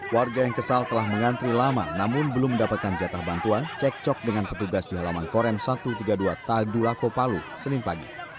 warga yang kesal telah mengantri lama namun belum mendapatkan jatah bantuan cek cok dengan petugas di halaman korem satu ratus tiga puluh dua tadulako palu senin pagi